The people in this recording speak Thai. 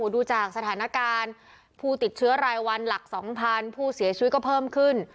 ดูจากสถานการณ์ผู้ติดเชื้อรายวันหลัก๒๐๐ผู้เสียชีวิตก็เพิ่มขึ้น